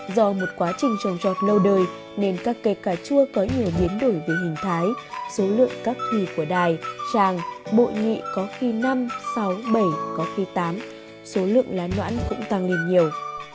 do một quá trình trồng trọt lâu đời nên các cây cà chua có nhiều biến đổi về hình thái số lượng các thủy của đài tràng bội nhị có khi năm sáu bảy có khi tám số lượng lá loãn cũng tăng lên nhiều